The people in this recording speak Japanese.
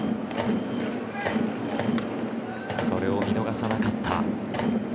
それを見逃さなかった。